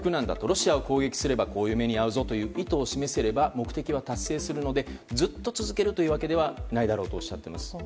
ロシアを攻撃すればこういう目に遭うぞという意図を示せれば目的は達成するのでずっと続けるわけではないとおっしゃっていました。